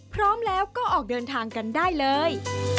พร้อมแล้วก็ออกเดินทางกันได้เลย